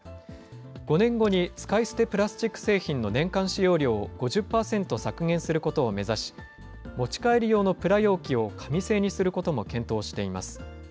５年後に使い捨てプラスチック製品の年間使用量を５０％削減することを目指し、持ち帰り用のプラ容器を紙製にすることも検討しています。